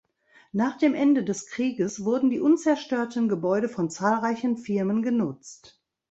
Nach dem Ende des Krieges wurden die unzerstörten Gebäude von zahlreichen Firmen genutzt.